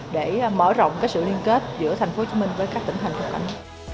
để mở rộng cái sự liên kết giữa tp hcm với các tỉnh hành cấp cạnh